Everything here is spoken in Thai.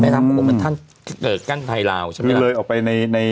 แม่น้ำโขงเกิดใกล้เวลาใช่ไหมมันเลยออกไปใน